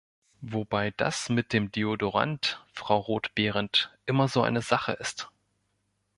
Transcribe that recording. Wobei das mit dem Deodorant, Frau Roth-Behrendt, immer so eine Sache ist.